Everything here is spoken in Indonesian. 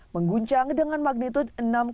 mengguncang dengan magnitud enam sembilan